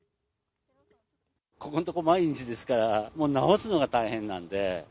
ここのところ、毎日ですから、もう直すのが大変なんで。